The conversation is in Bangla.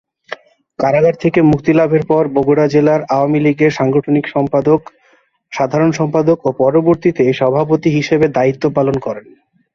কারাগার থেকে মুক্তি লাভের পর বগুড়া জেলা আওয়ামী লীগের সাংগঠনিক সম্পাদক, সাধারণ সম্পাদক ও পরবর্তীতে সভাপতি হিসেবে দায়িত্ব পালন করেন।